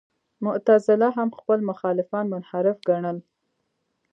معتزله هم خپل مخالفان منحرف ګڼل.